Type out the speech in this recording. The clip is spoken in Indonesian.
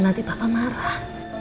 nanti papa marah